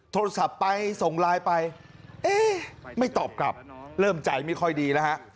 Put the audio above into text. โทรศัพท์ไปส่งไลน์ไปเอ๊ะไม่ตอบกลับเริ่มใจไม่ค่อยดีแล้วฮะ